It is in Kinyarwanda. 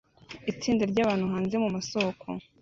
Itsinda ryabantu hanze mumasoko